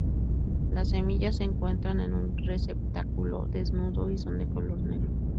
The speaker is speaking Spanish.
Las semillas se encuentran en un receptáculo desnudo y son de color negro.